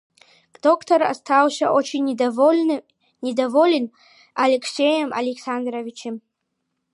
Доктор остался очень недоволен Алексеем Александровичем.